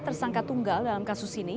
tersangka tunggal dalam kasus ini